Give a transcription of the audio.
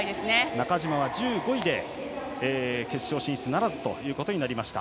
中島は１５位で決勝進出ならずとなりました。